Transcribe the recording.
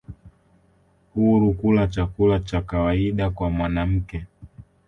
huru kula chakula cha kawaida kwa mwanamke